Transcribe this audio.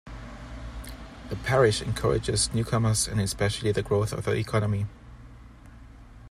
The parish encourages newcomers and especially the growth of the economy.